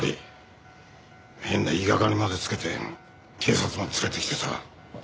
変な言いがかりまでつけて警察まで連れてきてさ。